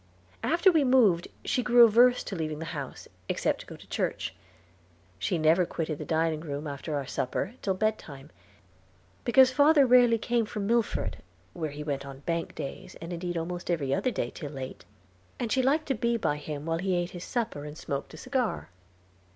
After we moved she grew averse to leaving the house, except to go to church. She never quitted the dining room after our supper till bedtime, because father rarely came from Milford, where he went on bank days, and indeed almost every other day, till late, and she liked to be by him while he ate his supper and smoked a cigar.